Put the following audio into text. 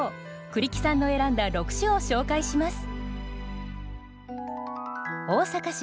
栗木さんの選んだ６首を紹介します。